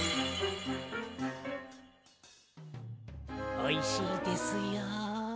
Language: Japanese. おいしいですよ。